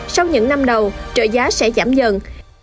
sau những năm đầu trợ giá sẽ giảm dần